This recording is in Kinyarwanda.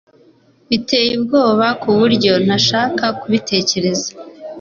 Biteye ubwoba kuburyo ntashaka kubitekereza